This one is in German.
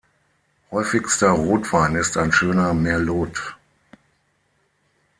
Häufigster Rotwein ist ein schöner Merlot.